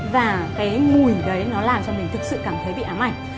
và cái mùi đấy nó làm cho mình thực sự cảm thấy bị ám ảnh